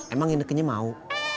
emang inekenya mau